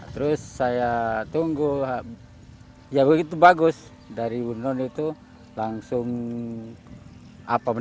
terus saya tunggu ya begitu bagus dari bu nun itu langsung